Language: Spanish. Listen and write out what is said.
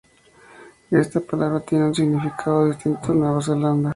Esta palabra tiene un significado distinto en Nueva Zelanda.